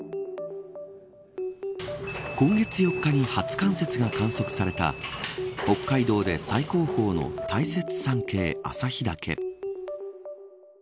今月４日に初冠雪が観測された北海道で最高峰の大雪山系旭岳。